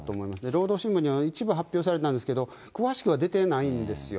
労働新聞には一部発表されてたんですけど、詳しくは出てないんですよ。